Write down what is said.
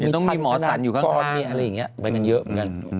ต้องมีหมอสันอยู่ข้าง